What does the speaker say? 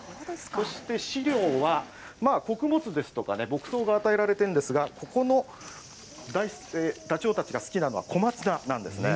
そして飼料は、穀物ですとか牧草が与えられているんですが、ここのダチョウたちが好きなのは小松菜なんですね。